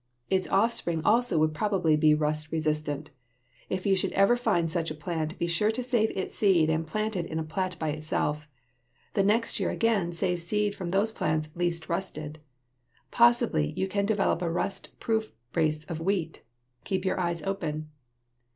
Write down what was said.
Its offspring also would probably be rust resistant. If you should ever find such a plant, be sure to save its seed and plant it in a plat by itself. The next year again save seed from those plants least rusted. Possibly you can develop a rust proof race of wheat! Keep your eyes open.